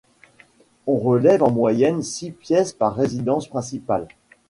On relève en moyenne six pièces par résidence principale.